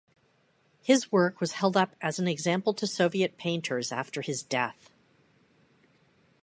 His work was held up as an example to Soviet painters after his death.